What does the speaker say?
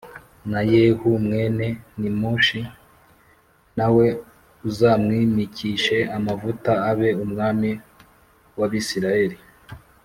na Yehu mwene Nimushi na we uzamwimikishe amavuta abe umwami w’Abisirayeli